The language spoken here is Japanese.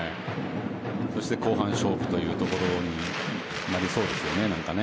そして後半勝負というところになりそうですよね。